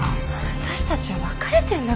私たちは別れてるんだから。